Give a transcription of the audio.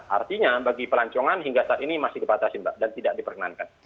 artinya bagi pelancongan hingga saat ini masih dipatasi mbak dan tidak diperkenankan